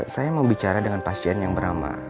saya mau bicara dengan pasien yang bernama